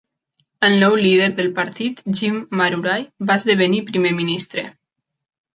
El nou líder del partit, Jim Marurai, va esdevenir Primer Ministre.